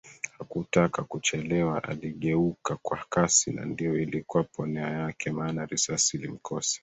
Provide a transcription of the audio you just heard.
Hakutaka kuchelewa aligeuka kwa kasi na ndio ilikuwa ponea yake maana risasi ilimkosa